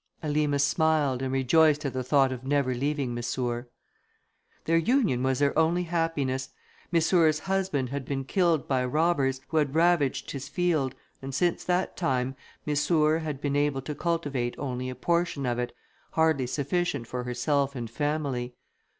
Elima smiled, and rejoiced at the thought of never leaving Missour. Their union was their only happiness. Missour's husband had been killed by robbers, who had ravaged his field, and since that time Missour had been able to cultivate only a portion of it, hardly sufficient for herself and family.